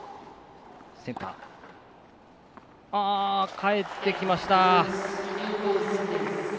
返ってきました。